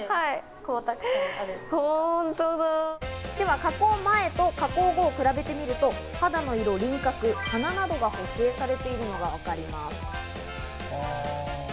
では加工前と加工後を比べてみると肌の色、輪郭、鼻などが補正されているのがわかります。